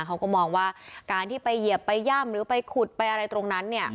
เขาก็มองว่าการที่ไปเหยียบไปย่ำหรือไปขุดไปอะไรตรงนั้นเนี่ย